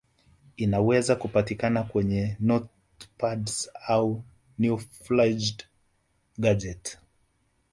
Inaweza kupatikana kwenye notepads au newfangled gadget